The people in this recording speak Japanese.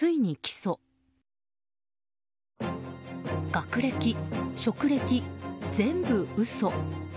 学歴、職歴、全部嘘。